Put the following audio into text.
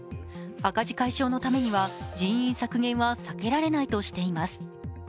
赤字解消のためには人員削減は避けられないとしています。